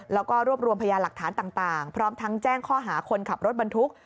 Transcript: แล้วก็รวบรวมพยานหลักฐานต่างพร้อมทั้งแจ้งข้อหาคนขับรถบรรทุก